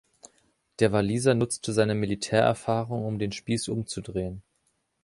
Der Waliser nutzte seine Militärerfahrung, um den Spieß umzudrehen.